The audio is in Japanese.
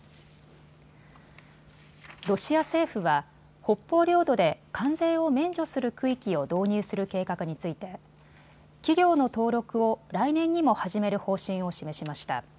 ロシア政府は北方領土で関税を免除する区域を導入する計画について企業の登録を来年にも始める方針を示しました。